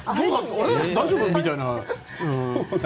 大丈夫？みたいなね。